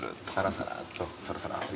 サラサラっと。